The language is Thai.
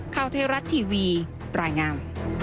ข้าวเทศรัทย์ทีวีปรายงาม